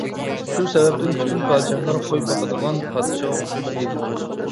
شۇ سەۋەبتىن، پۈتۈن پادىشاھلار قوي باقىدىغان پادىچىغا ئوخشاش دېيىلىدۇ.